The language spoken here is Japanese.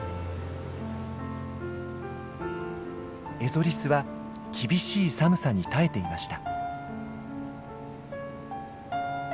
エゾリスは厳しい寒さに耐えていました。